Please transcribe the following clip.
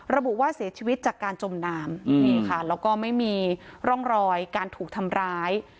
ระบุว่าเสียชีวิตจากการจมน้ำนี่ค่ะแล้วก็ไม่มีร่องรอยการถูกทำร้าย